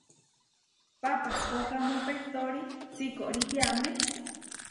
Papahkókamu pehtóri sikóri tiamé.